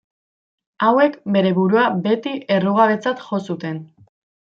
Hauek bere burua beti errugabetzat jo zuten.